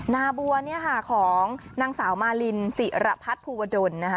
นาบัวเนี่ยค่ะของนางสาวมารินศิรพัฒน์ภูวดลนะคะ